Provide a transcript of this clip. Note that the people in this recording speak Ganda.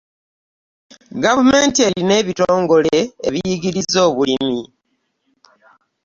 Gavumenti erina ebitongole ebiyigiriza obulimi.